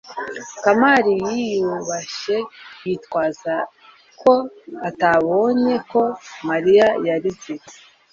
kamali yiyubashye yitwaza ko atabonye ko mariya yarize